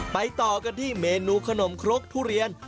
ต่อกันที่เมนูขนมครกทุเรียน